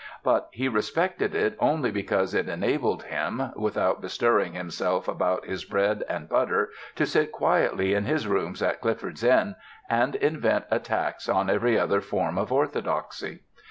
But he respected it only because it enabled him, without bestirring himself about his bread and butter, to sit quietly in his rooms at Clifford's Inn and invent attacks on every other form of orthodoxy.